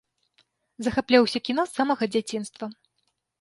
Захапляўся кіно з самага дзяцінства.